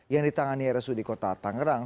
yang ditangani rsu di kota tangerang